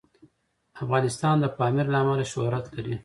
افغانستان د پامیر له امله شهرت لري.